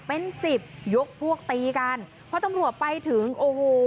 เป็นสิบยกพวกตีกันพอตำรวจไปถึงโอ้โห